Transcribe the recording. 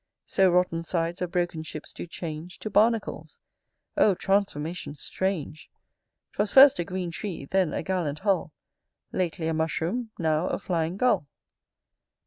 So, rotten sides of broken ships do change To barnacles. O transformation strange! 'Twas first a green tree; then, a gallant hull; Lately a mushroom; now, a flying gull.